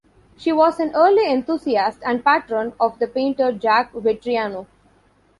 She was an early enthusiast and patron of the painter Jack Vettriano.